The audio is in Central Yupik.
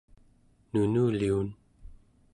nunuliun